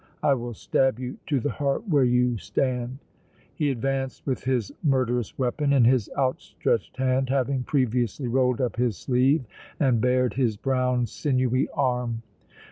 I will stab you to the heart where you stand!" He advanced with his murderous weapon in his outstretched hand, having previously rolled up his sleeve and bared his brown, sinewy arm.